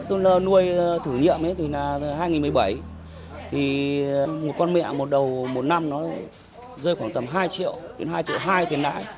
tôi nuôi thử nghiệm là hai nghìn một mươi bảy một con mẹ đầu một năm rơi khoảng tầm hai triệu đến hai triệu hai tiền lãi